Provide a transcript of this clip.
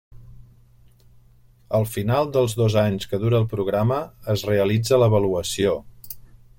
Al final dels dos anys que dura el programa es realitza l'avaluació.